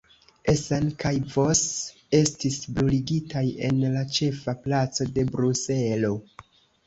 Essen kaj Vos estis bruligitaj en la ĉefa placo de Bruselo.